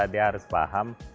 dia harus paham